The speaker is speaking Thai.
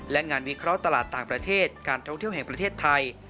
และงานวิเคราะห์ตลาดต่างประเทศการท่องเที่ยวแห่งประเทศไทย